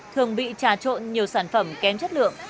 thường bị trà trộn nhiều sản phẩm kém chất lượng